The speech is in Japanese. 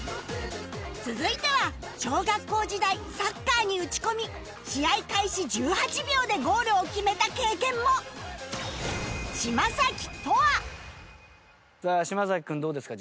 続いては小学校時代サッカーに打ち込み試合開始１８秒でゴールを決めた経験もさあ嶋君どうですか？